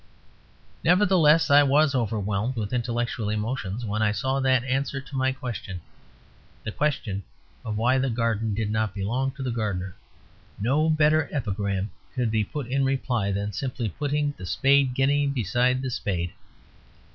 Nevertheless, I was overwhelmed with intellectual emotions when I saw that answer to my question; the question of why the garden did not belong to the gardener. No better epigram could be put in reply than simply putting the Spade Guinea beside the Spade.